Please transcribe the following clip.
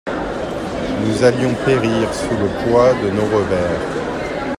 Nous allions périr sous le poids de nos revers.